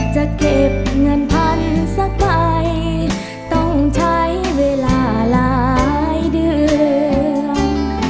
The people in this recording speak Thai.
จะเก็บเงินพันสักใบต้องใช้เวลาหลายเดือน